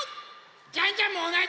ジャンジャンもおなじ！